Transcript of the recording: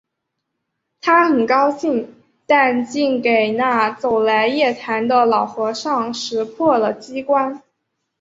他很高兴；但竟给那走来夜谈的老和尚识破了机关